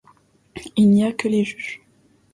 Il n’y a que les juges.